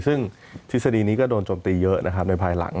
ซึ่งทฤษฎีนี้ก็โดนจมตีเยอะนะครับในภายหลัง